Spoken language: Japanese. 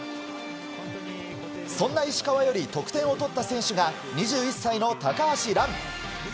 そんな石川より得点を取った選手が２１歳の高橋藍。